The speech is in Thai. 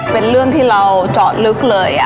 เป็นเรื่องที่เราเจาะลึกเลย